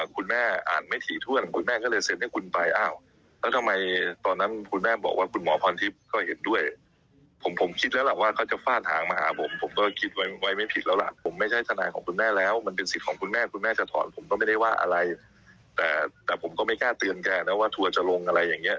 แก้เตือนแกรกนะว่าทัวร์จะลงอะไรอย่างนี้